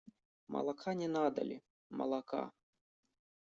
Молока не надо ли, молока?